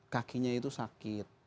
kakinya itu sakit